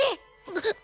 ぐっ。